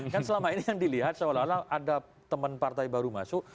kan selama ini yang dilihat seolah olah ada teman partai baru masuk